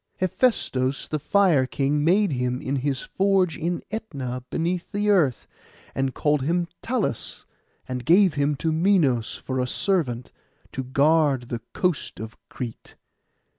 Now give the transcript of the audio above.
Hephaistos the Fire King made him in his forge in Ætna beneath the earth, and called him Talus, and gave him to Minos for a servant, to guard the coast of Crete.